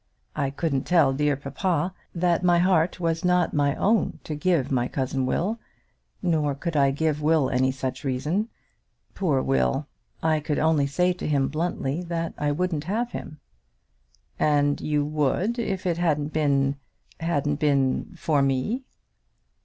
I couldn't tell dear papa that my heart was not my own to give to my cousin Will; nor could I give Will any such reason. Poor Will! I could only say to him bluntly that I wouldn't have him." "And you would, if it hadn't been, hadn't been for me."